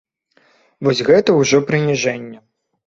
Вось гэта ўжо прыніжэнне.